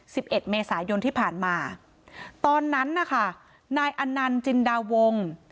เอ็ดเมษายนที่ผ่านมาตอนนั้นนะคะนายอนันต์จินดาวง